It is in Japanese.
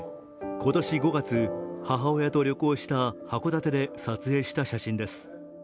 今年５月、母親と旅行した函館で撮影した写真です。